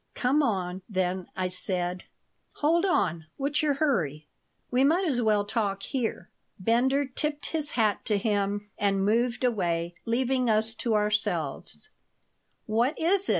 Come on, then," I said "Hold on. What's your hurry? We might as well talk here." Bender tipped his hat to him and moved away, leaving us to ourselves "What is it?"